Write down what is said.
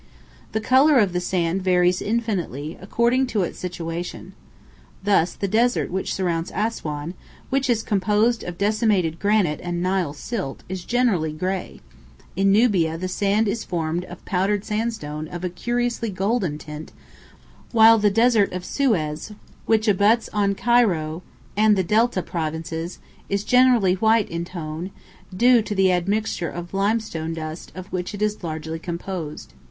The colour of the sand varies infinitely, according to its situation. Thus the desert which surrounds Assuan, which is composed of decimated granite and Nile silt, is generally grey; in Nubia the sand is formed of powdered sandstone of a curiously golden tint, while the desert of Suez, which abuts on Cairo and the Delta provinces, is generally white in tone, due to the admixture of limestone dust of which it is largely composed.